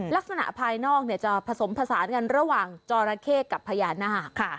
ลักษณะภายนอกเนี่ยจะผสมผสานกันระหว่างจอราเคกับพญานาคค่ะ